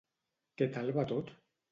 Què tal va tot?